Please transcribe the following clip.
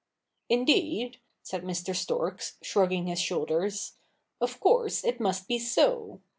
Indeed,' said Mr. Storks, shrugging his shoulders, ' of course it must be so.